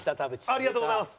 ありがとうございます。